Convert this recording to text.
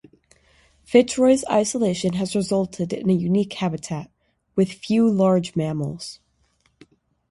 Fitzroy's isolation has resulted in a unique habitat, with few large mammals.